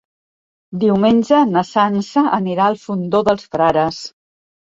Diumenge na Sança anirà al Fondó dels Frares.